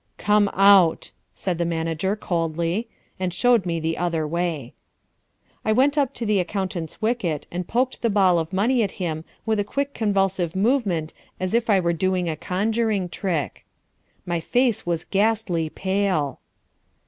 "Come out," said the manager coldly, and showed me the other way. I went up to the accountant's wicket and poked the ball of money at him with a quick convulsive movement as if I were doing a conjuring trick. My face was ghastly pale.